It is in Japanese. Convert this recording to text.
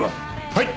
はい！